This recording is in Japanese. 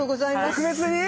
特別に？